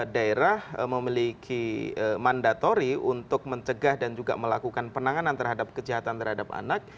daerah memiliki mandatori untuk mencegah dan juga melakukan penanganan terhadap kejahatan terhadap anak